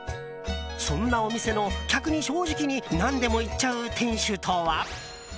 そんなお店の、客に正直に何でも言っちゃう店主とは？